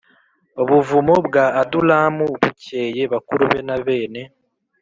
Buvumo bwa adulamu bukeye bakuru be na bene